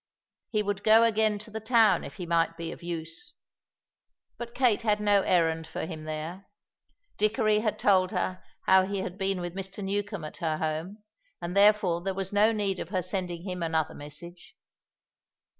He would go again to the town if he might be of use. But Kate had no errand for him there. Dickory had told her how he had been with Mr. Newcombe at her home, and therefore there was no need of her sending him another message.